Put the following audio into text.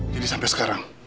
jadi sampai sekarang